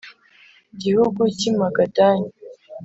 gihugu cy i Magadani